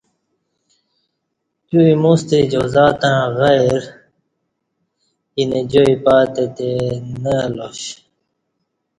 تیو اِیموستہ اِجازت تݩع بغیر اینہ جائ پاتہ تے نہ الاش